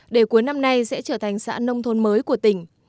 để cuối năm nay sẽ trở thành xã nông thôn mới của tỉnh